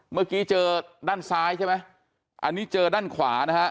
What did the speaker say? เมื่อกี้เจอด้านซ้ายใช่ไหมอันนี้เจอด้านขวานะฮะ